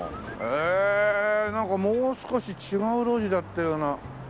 えなんかもう少し違う路地だったような。